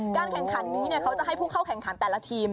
การแข่งขันนี้เขาจะให้ผู้เข้าแข่งขันแต่ละทีม